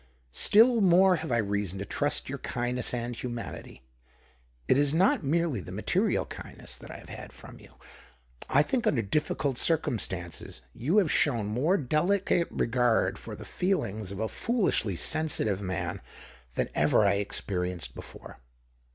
Still more ave I reason to trust your kindness and I 114 THE OCTAVE OP CLAUDIUS. humanity — it is not merely the material kindness that I have had from you. I think under difficult circumstances you have shown inore delicate regard for the feelings of a foolishly sensitive man than ever I experi enced before.